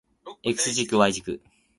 X 軸 Y 軸